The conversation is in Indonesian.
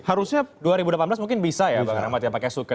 harusnya dua ribu delapan belas mungkin bisa ya pak ramadhan pakai suket